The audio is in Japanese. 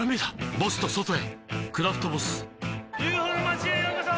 ボスと外へ「クラフトボス」ＵＦＯの町へようこそ！